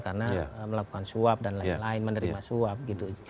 karena melakukan suap dan lain lain menerima suap gitu